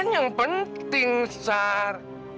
yang penting sar